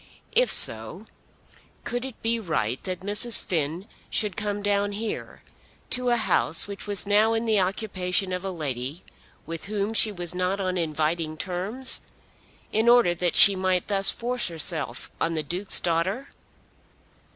If so, could it be right that Mrs. Finn should come down here, to a house which was now in the occupation of a lady with whom she was not on inviting terms, in order that she might thus force herself on the Duke's daughter?